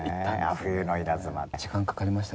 冬の稲妻。